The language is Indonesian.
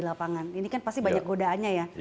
di lapangan ini kan pasti banyak godaannya ya